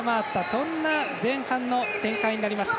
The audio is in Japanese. そんな前半の展開になりました。